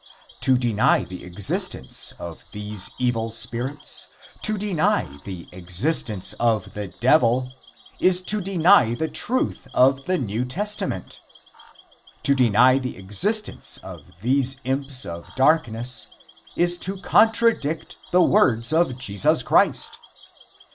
To deny the existence of these evil spirits, to deny the existence of the Devil, is to deny the truth of the New Testament. To deny the existence of these imps of darkness is to contradict the words of Jesus Christ.